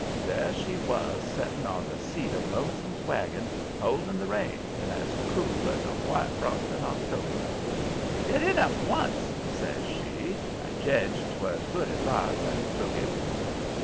There she was, setting on the seat of Lonesome's wagon, holdin' the reins and as cool as a white frost in October. "Get in at once," says she. I jedged 'twas good advice, and took it.